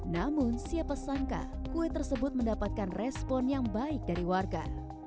namun siapa sangka kue tersebut mendapatkan respon yang baik dari warga